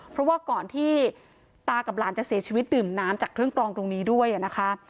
เพราะว่าก่อนที่ตากับหลานจะเสียชีวิตดื่มน้ำจากเครื่องกรองตรงนี้ด้วยนะคะ